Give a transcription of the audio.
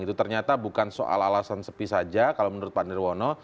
itu ternyata bukan soal alasan sepi saja kalau menurut pak nirwono